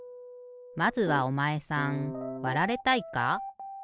まずはおまえさんわられたいか？